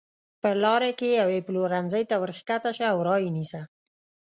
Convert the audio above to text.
په لاره کې یوې پلورنځۍ ته ورکښته شه او را یې نیسه.